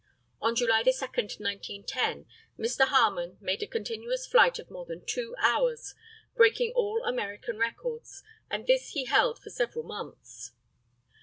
On July 2, 1910, Mr. Harmon made a continuous flight of more than 2 hours, breaking all American records, and this he held for several months.